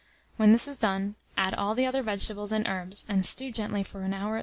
When this is done, add all the other vegetables, and herbs, and stew gently for at least an hour.